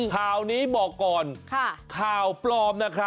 ข่าวนี้บอกก่อนข่าวปลอมนะครับ